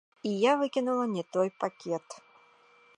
І я выкінула не той пакет.